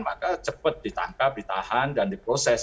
maka cepat ditangkap ditahan dan diproses